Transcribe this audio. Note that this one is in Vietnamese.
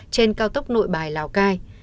trên cao tốc nội bài lào cai